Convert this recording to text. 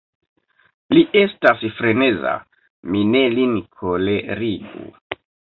Li estas freneza; mi ne lin kolerigu.